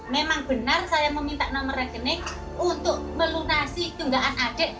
memang benar saya meminta nomor rekening untuk melunasi tunggaan adik